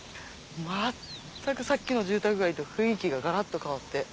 全くさっきの住宅街と雰囲気がガラっと変わって。